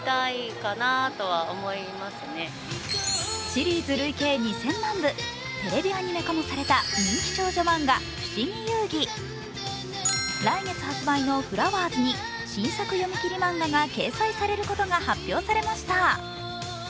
シリーズ累計２０００万部、テレビアニメ化もされた人気少女漫画「ふしぎ遊戯」来月発売の「月刊ｆｌｏｗｅｒｓ」に新作読み切り漫画が掲載されることが発表されました。